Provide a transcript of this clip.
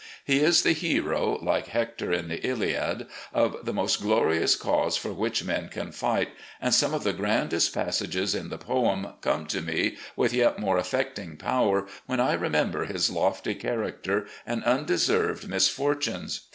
He is the hero, like Hector in the Iliad, of the most glorious cause for which men can light, and some of the grandest passages in the poem come to me with yet more affecting power when I remember his lofty character and tmdeserved mis fortunes.